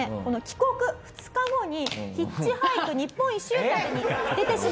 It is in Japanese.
帰国２日後にヒッチハイク日本一周旅に出てしまった。